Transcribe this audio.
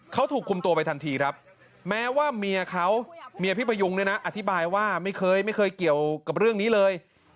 เขาถูกคุมตัวไปทันทีครับแม้ว่าเมียพี่ประยุงอธิบายว่าไม่เคยเกี่ยวกับเรื่องนี้เลย